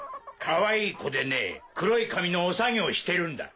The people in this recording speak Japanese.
かわいい子でね黒い髪のおさげをしてるんだ。